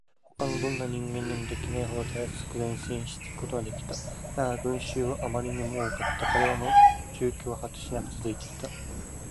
ほかのどんな人間にもできないほどたやすく前進していくことができた。だが、群集はあまりにも多かった。彼らの住居は果てしなくつづいていた。